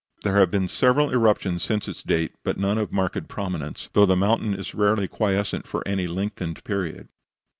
There have been several eruptions since its date, but none of marked prominence, though the mountain is rarely quiescent for any lengthened period.